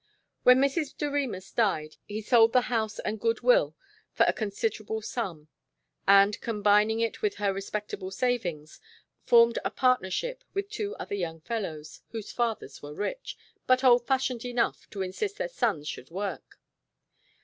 When Mrs. Doremus died he sold the house and good will for a considerable sum, and, combining it with her respectable savings, formed a partnership with two other young fellows, whose fathers were rich, but old fashioned enough to insist that their sons should work.